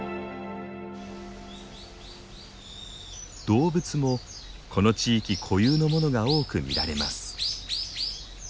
動物もこの地域固有のものが多く見られます。